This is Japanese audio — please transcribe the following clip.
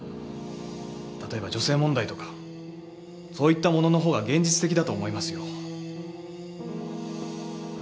例えば女性問題とかそういったもののほうが現実的だと思いますよ。